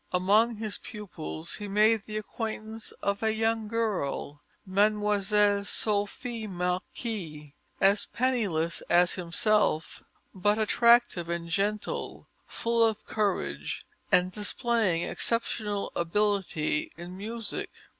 Among his pupils he made the acquaintance of a young girl, Mlle. Sophie Marquis, as penniless as himself, but attractive and gentle, full of courage, and displaying exceptional ability in music.